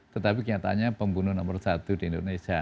tetapi kenyataannya pembunuh nomor satu di indonesia